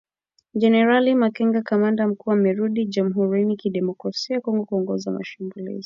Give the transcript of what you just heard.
Generali Makenga, kamanda mkuu amerudi Jamhurin ya kidemokrasia ya Kongo kuongoza mashambulizi.